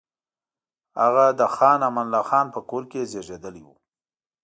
هغه د خان امان الله خان په کور کې زېږېدلی وو.